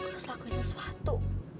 harus lakuin sesuatu